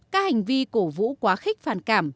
các hành vi cổ vũ quá khích phàn cảm